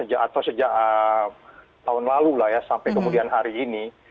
atau sejak tahun lalu lah ya sampai kemudian hari ini